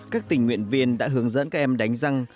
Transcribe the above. các tình nguyện viên đã hướng dẫn các em đánh răng